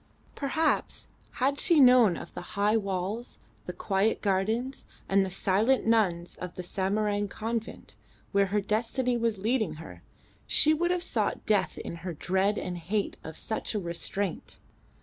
Perhaps had she known of the high walls, the quiet gardens, and the silent nuns of the Samarang convent, where her destiny was leading her, she would have sought death in her dread and hate of such a restraint.